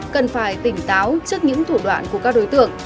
cần phải tỉnh táo trước những thủ đoạn của các đối tượng